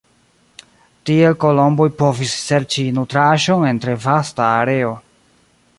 Tiel kolomboj povis serĉi nutraĵon en tre vasta areo.